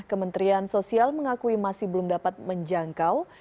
kementerian sosial mengakui masih belum dapat menjangkau